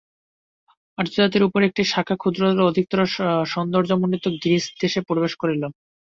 আর্যজাতির অপর একটি শাখা ক্ষুদ্রতর ও অধিকতর সৌন্দর্যমণ্ডিত গ্রীস দেশে প্রবেশ করিল।